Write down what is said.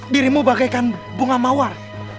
dirimu bagaikan bunga mawar